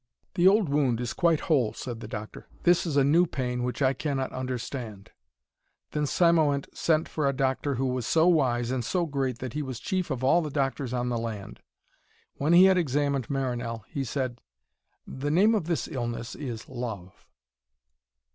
'The old wound is quite whole,' said the doctor. 'This is a new pain which I cannot understand.' Then Cymoënt sent for a doctor who was so wise and so great that he was chief of all the doctors on the land. When he had examined Marinell he said, 'The name of this illness is Love.'